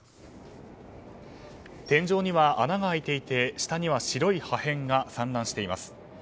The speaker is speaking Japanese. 天井には穴が開いていて下には白い破片が散乱しています。